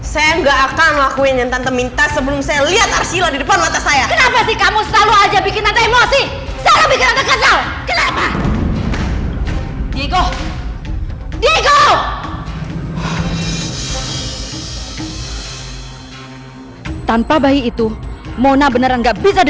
saya gak akan ngelakuin yang tante minta sebelum saya lihat arsylah di depan mata saya